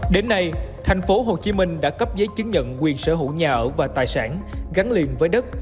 đến nay tp hcm đã cấp giấy chứng nhận quyền sở hữu nhà ở và tài sản gắn liền với đất